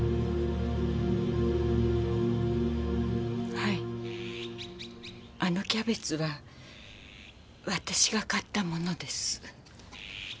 はいあのキャベツは私が買ったものです。